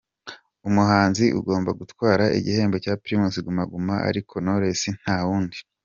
umuhanzi ugomba gutwara igihembo cya Primus Guma Guma ari Knowless nta wundi.